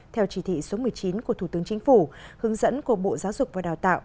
theo chỉ thị số một mươi chín của thủ tướng chính phủ hướng dẫn của bộ giáo dục và đào tạo